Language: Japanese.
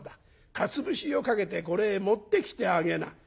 かつ節をかけてこれへ持ってきてあげな」。